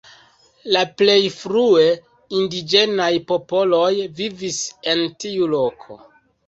La plej frue indiĝenaj popoloj vivis en tiu loko.